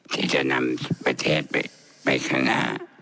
ที่จะนำประเทศไปขณะ